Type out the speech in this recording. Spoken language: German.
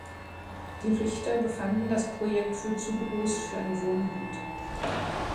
Die Richter befanden das Projekt für zu groß für ein Wohngebiet.